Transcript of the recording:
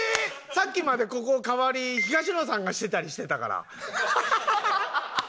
さっきまでここの代わり東野さんがしてたりしてたから。